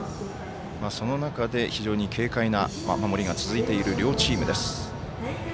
その中で非常に軽快な守りが続いている両チームです。